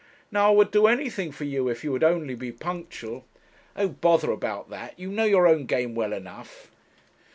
Now I would do anything for you if you would only be punctual.' 'Oh! bother about that you know your own game well enough.'